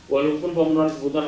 walaupun pemenuhan kebutuhan